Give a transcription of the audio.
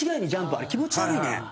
あれ、気持ち悪いね。